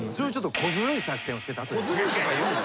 小ずるいとか言うな。